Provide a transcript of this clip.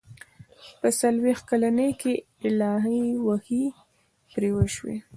په څلوېښت کلنۍ کې الهي وحي پرې وشي.